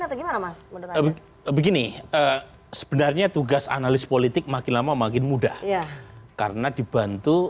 atau gimana mas menurut begini sebenarnya tugas analis politik makin lama makin mudah karena dibantu